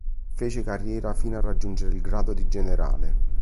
Fece carriera fino a raggiungere il grado di generale.